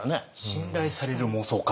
信頼される妄想家。